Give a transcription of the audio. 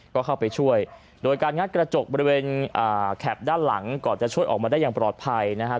ก็เข้าไปช่วยโดยการงัดกระจกบริเวณแข็บด้านหลังก่อนจะช่วยออกมาได้อย่างปลอดภัยนะครับ